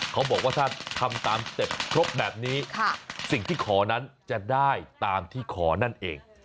เขาบอกว่าถ้าทำตามสเต็ปครบแบบนี้สิ่งที่ขอนั้นจะได้ตามที่ขอนั่นเอง